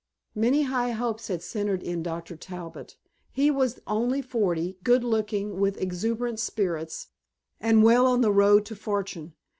Many high hopes had centered in Dr. Talbot. He was only forty, good looking, with exuberant spirits, and well on the road to fortune.